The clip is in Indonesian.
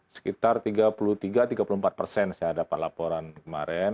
sekitar tiga puluh tiga tiga puluh empat persen saya dapat laporan kemarin